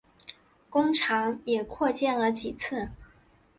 工厂也扩建了几次。